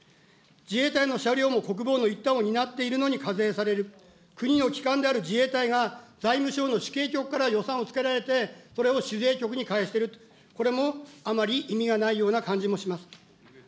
自衛隊の車両も国防の一端を担っているのに課税される、国の機関である自衛隊が財務省の主計局から予算をつけられて、それを主税局にかえしていると、これもあまり意味がないような感じがします。